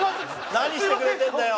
何してくれてるんだよ